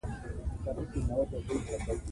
چې تاريخ به تاسو باندې قضاوت کوي.